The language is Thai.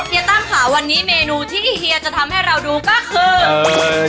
แล้วหิธันขาวันนี้เมนูที่เหี้ยจะทำให้เราดูก็คือ